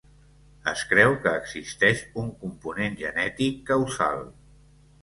Es creu que existeix un component genètic causal.